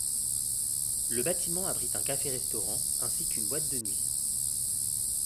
Le bâtiment abrite un café-restaurant ainsi qu'une boîte de nuit.